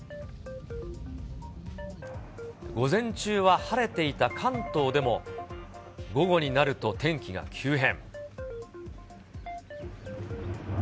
午前中は晴れていた関東でも、午後になると天気が急変。